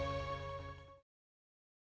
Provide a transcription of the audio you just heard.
dan kemudian menguatkan kapasitas yang memudar panggung